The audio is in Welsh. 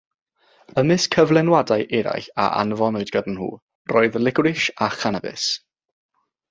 Ymysg cyflenwadau eraill a anfonwyd gyda nhw roedd licoris a chanabis.